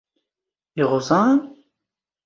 ⵉⵖⵥⴰⵏ?